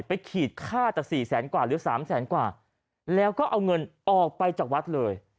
ขีดค่าจากสี่แสนกว่าหรือสามแสนกว่าแล้วก็เอาเงินออกไปจากวัดเลย